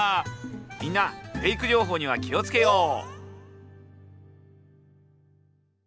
みんなフェイク情報には気を付けよう。